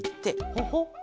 ほほっ。